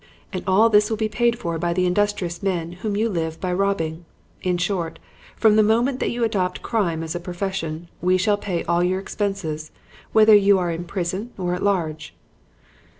And all this will be paid for by the industrious men whom you live by robbing. In short, from the moment that you adopt crime as a profession, we shall pay all your expenses, whether you are in prison or at large.'